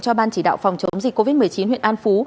cho ban chỉ đạo phòng chống dịch covid một mươi chín huyện an phú